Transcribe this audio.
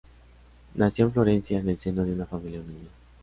Nació en Florencia en el seno de una familia humilde.